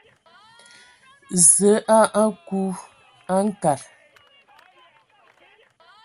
Zǝə a aku a nkad.